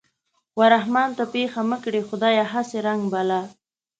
و رحمان ته پېښه مه کړې خدايه هسې رنگ بلا